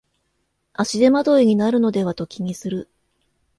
足手まといになるのではと気にする